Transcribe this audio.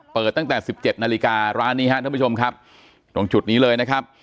เปิดตั้งแต่สิบเจ็ดนาฬิการ้านนี้ครับท่านผู้ชมครับตรงจุดนี้เลยนะครับ